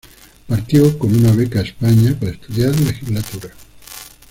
Partió con una beca a España, para estudiar legislatura.